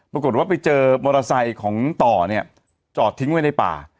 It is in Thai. ปรากฏว่าไปเจอมอเตอร์ไซค์ของต่อเนี่ยจอดทิ้งไว้ในป่า